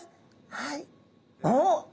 はい。